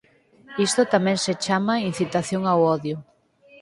Isto tamén se chama incitación ao odio.